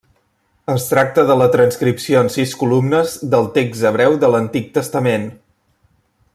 Es tracta de la transcripció en sis columnes del text hebreu de l'Antic Testament.